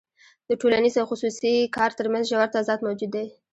د ټولنیز او خصوصي کار ترمنځ ژور تضاد موجود دی